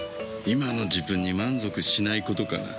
今の自分に満足しないことかな。